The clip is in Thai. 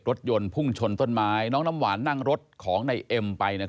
รถยนต์พุ่งชนต้นไม้น้องน้ำหวานนั่งรถของในเอ็มไป